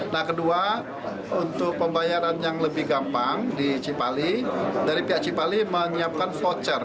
nah kedua untuk pembayaran yang lebih gampang di cipali dari pihak cipali menyiapkan voucher